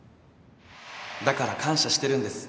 だから感謝してるんです